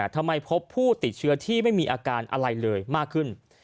พบผู้ติดเชื้อที่ไม่มีอาการอะไรเลยมากขึ้น